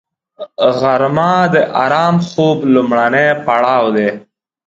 غرمه د آرام خوب لومړنی پړاو دی